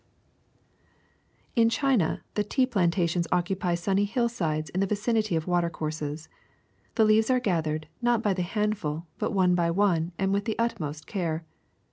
188 THE SECRET OF EVERYDAY THINGS In China the tea plantations occupy sunny hill sides in the vicinity of watercourses. The leaves are gathered, not by the handful, but one by one and with the utmost care.